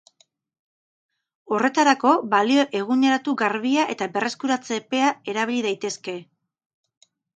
Horretarako, balio eguneratu garbia eta berreskuratze-epea erabil daitezke.